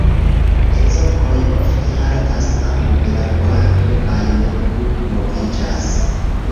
Ezokoj ofte haltas apud la boato kaj ne plu moviĝas.